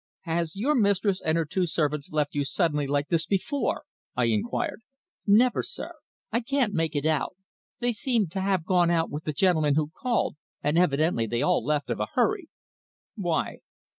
"Has your mistress and her two servants left you suddenly like this before?" I inquired. "Never, sir. I can't make it out. They seem to have gone out with the gentleman who called and evidently they left all of a hurry." "Why?"